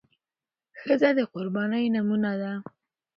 ښځه د قربانۍ نمونه ده.